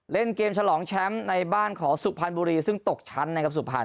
เล่นเกมฉลองแชมป์ในบ้านของสุพรรณบุรีซึ่งตกชั้นนะครับสุพรรณ